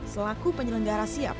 selaku penyelenggara siap